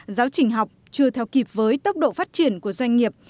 giáo trình học chưa theo kịp với tốc độ phát triển của doanh nghiệp